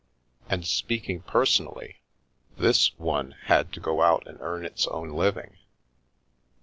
And, speaking per sonally, this ' one ' had to go out and earn its own liv ing."